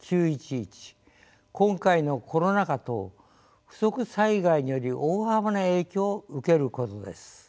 今回のコロナ禍等不測災害により大幅な影響を受けることです。